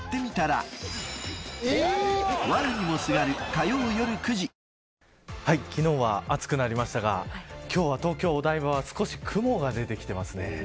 カロカロカロカロカロリミット昨日は暑くなりましたが今日は東京、お台場は少し雲が出てきていますね。